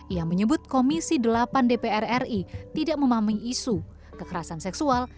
ia menyebut komisi delapan dpr ri tidak memaming isu kekerasan seksual